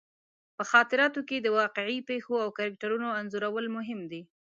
په خاطراتو کې د واقعي پېښو او کرکټرونو انځورول مهم دي.